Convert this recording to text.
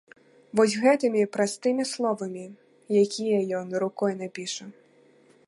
Вось гэтымі простымі словамі, якія ён рукой напіша.